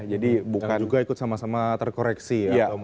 dan juga ikut sama sama terkoreksi